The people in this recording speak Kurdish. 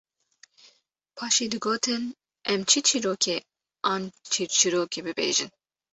paşê digotin: Em çi çîrokê an çîrçîrokê bibêjin